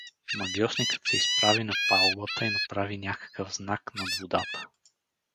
Магьосникът се изправи на палубата и направи някакъв знак над водата.